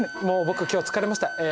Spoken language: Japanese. もう僕今日は疲れました。